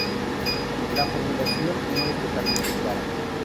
La formulación no es totalmente clara"".